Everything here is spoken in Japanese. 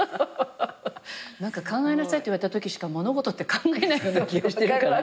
何か考えなさいって言われたときしか物事って考えないような気がしてるから。